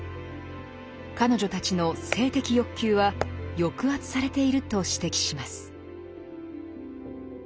彼女たちの性的欲求は抑圧されていると指摘します。